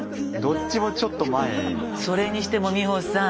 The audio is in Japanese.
それにしても美穂さん。